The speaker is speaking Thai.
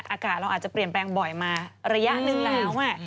อากาศเราอาจจะเปลี่ยนแปลงบ่อยมาระยะหนึ่งแล้ว